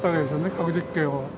核実験を。